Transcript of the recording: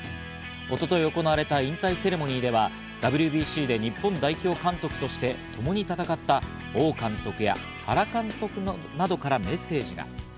一昨日行われた引退セレモニーでは、ＷＢＣで日本代表監督としてともに戦った王監督や原監督などからメッセージが。